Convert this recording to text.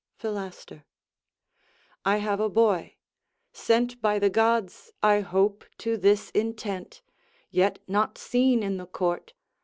Philaster I have a boy, Sent by the gods, I hope, to this intent, Yet not seen in the court.